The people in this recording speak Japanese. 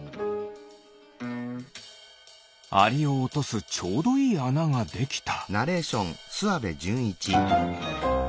アリをおとすちょうどいいあなができた。